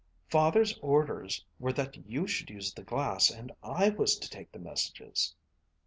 "Father's orders were that you should use the glass and I was to take the messages."